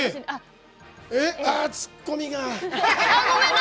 ああ、ツッコミが！